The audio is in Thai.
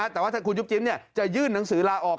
แต่ว่าถ้าคุณยุบจิ้มจะยื่นหนังสือลาออก